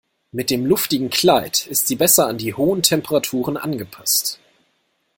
Mit dem luftigen Kleid ist sie besser an die hohen Temperaturen angepasst.